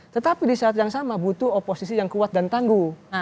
tetapi di saat yang sama butuh oposisi yang kuat dan tangguh